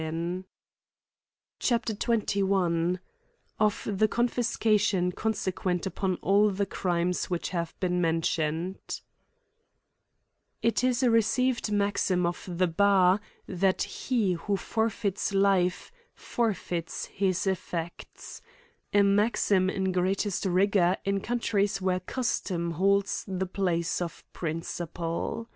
ir CHAP XXI. (}f the conUscaiion eonsequi^t upon all the erimes which have been mentioned, IT is a received maxim of the bar, that^ he who forfeits Rfe^ forfeits his effects — a maxim in greatest rigor in countries where custom holds the place of principle.